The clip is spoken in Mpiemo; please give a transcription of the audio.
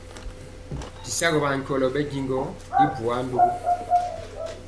Bisagɔ ankyɔlɔ ɓɛ njiŋ gɔ i bwaa ndugu.